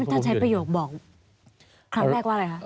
ถ้าใช้ประโยคบอกครั้งแรกว่าอะไรคะ